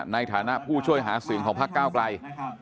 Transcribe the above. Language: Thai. ในฐานะผู้ช่วยหาเสียงของพักก้าวไกล